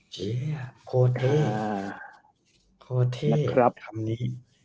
เจ๋ยโคตรเท่โคตรเท่ทำนี้